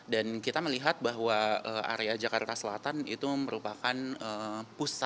dan kita melihat bahwa area jakarta selatan itu merupakan pusat